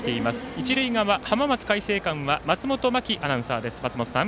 一塁側、浜松開誠館は松本真季アナウンサーです。